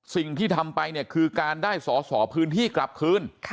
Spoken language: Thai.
สิ่งที่ทำไปเนี่ยคือการได้สอสอพื้นที่กลับคืน